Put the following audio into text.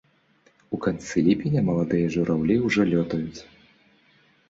У канцы ліпеня маладыя жураўлі ўжо лётаюць.